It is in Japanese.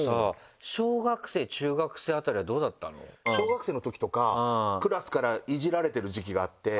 小学生のときとかクラスからイジられてる時期があって。